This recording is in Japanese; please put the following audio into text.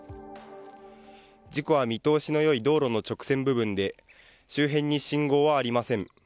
事故は見通しの良い道路の直線部分で周辺に信号はありません。